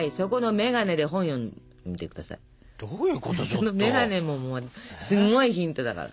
その眼鏡ももうすごいヒントだから。